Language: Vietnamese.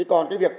còn cái việc